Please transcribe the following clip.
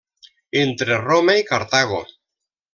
Entre Roma i Cartago.